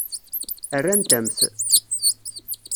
Rrant-am-t.